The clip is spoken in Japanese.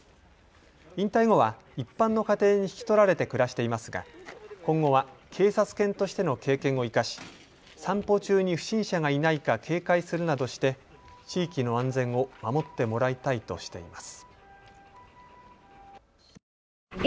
引退後は一般の家庭に引き取られて暮らしていますが今後は警察犬としての経験を生かし散歩中に不審者がいないか警戒するなどして地域の安全を守ってもらいたいとしています。